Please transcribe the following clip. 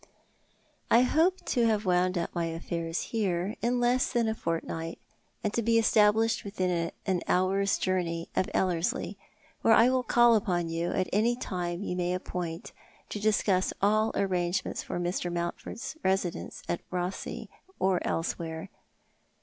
" I hope to have wound up my aflFairs here in less than a fortnight, and to be established within an hour's journey of Ellerslie, where I will call upon you at any time you may appoint to discuss all arrangements for Mr. I\Iountford's resi dence at Eothesay or elsewhere.